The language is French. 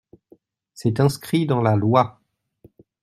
C’est inscrit dans la loi.